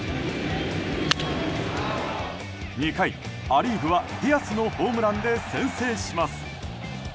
２回、ア・リーグはディアスのホームランで先制します。